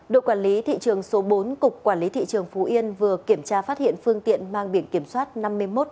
đội quản lý thị trường số bốn cục quản lý thị trường phú yên vừa kiểm tra phát hiện phương tiện mang biển kiểm soát năm mươi một d bốn mươi tám bốn nghìn một trăm linh tám